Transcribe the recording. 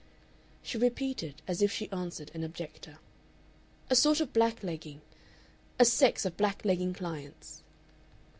She repeated, as if she answered an objector: "A sort of blacklegging. "A sex of blacklegging clients."